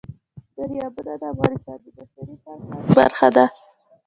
دریابونه د افغانستان د بشري فرهنګ برخه ده.